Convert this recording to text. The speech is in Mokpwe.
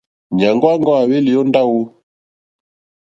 Nyàŋgo wàŋgo à hwelì o ndawò?